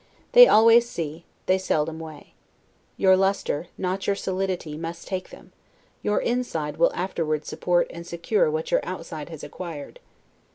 They always see, they seldom weigh. Your lustre, not your solidity, must take them; your inside will afterward support and secure what your outside has acquired.